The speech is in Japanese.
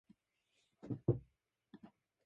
メンドクサイ